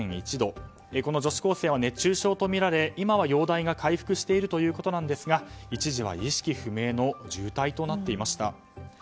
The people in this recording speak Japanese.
この女子高生は熱中症とみられ今は容体が回復しているということなんですが一時は意識不明の重体となっていました。